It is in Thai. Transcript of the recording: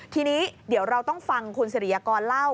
ทีนี้เดี๋ยวเราต้องฟังคุณสิริยากรเล่า